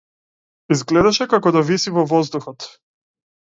Изгледаше како да виси во воздухот.